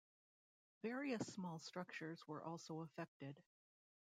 Various small structures were also affected.